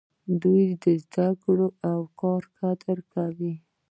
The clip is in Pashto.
دوی د زده کړې او کار قدر کوي.